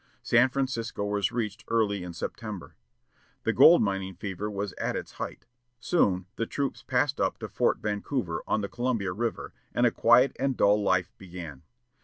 San Francisco was reached early in September. The gold mining fever was at its height. Soon the troops passed up to Fort Vancouver, on the Columbia River, and a quiet and dull life began.